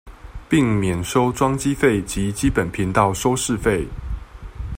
並免收裝機費及基本頻道收視費